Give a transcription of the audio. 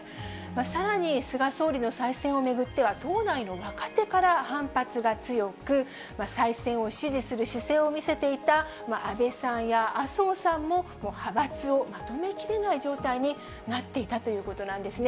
さらに菅総理の再選を巡っては、党内の若手から反発が強く、再選を支持する姿勢を見せていた安倍さんや麻生さんも派閥をまとめきれない状態になっていたということなんですね。